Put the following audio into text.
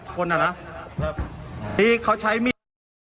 เปี๊ยกเขาใช้มีด